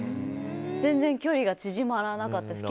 全然、距離が縮まらなかったです。